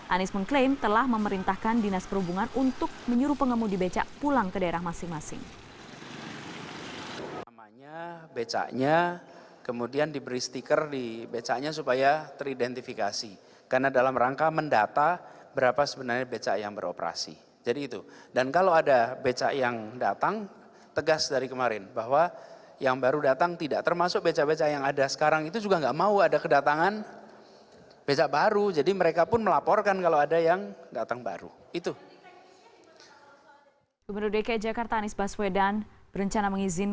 anies mengklaim telah memerintahkan dinas perhubungan untuk menyuruh pengemudi becak pulang ke daerah masing masing